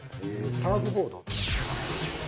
サーフボード？